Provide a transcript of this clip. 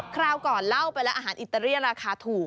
คราวก่อนเล่าไปแล้วอาหารอิตาเรียราคาถูก